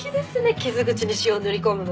傷口に塩を塗り込むの。